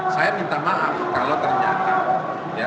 saya minta maaf kalau ternyata ya